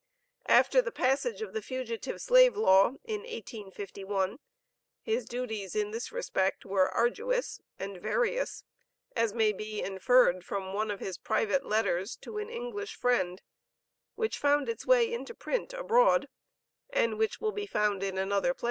After the passage of the Fugitive Slave Law, in 1851, his duties in this respect were arduous and various, as may be inferred from one of his private letters to an English friend, which found its way into print abroad, and which will be found in another place.